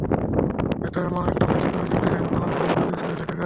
এটা এমন একটা ব্যতিক্রমী চুক্তি, যেখানে বাংলাদেশ, পাকিস্তান, ভারত, ইসরাইল একাকার।